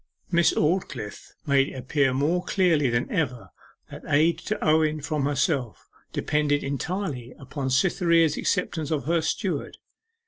Miss Aldclyffe made it appear more clearly than ever that aid to Owen from herself depended entirely upon Cytherea's acceptance of her steward.